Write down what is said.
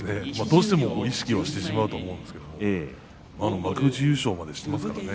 どうしても意識してしまうと思うんですが幕内優勝までしてますからね。